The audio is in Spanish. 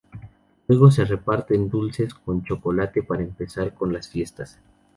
Luego se reparten dulces con chocolate para empezar con las fiestas.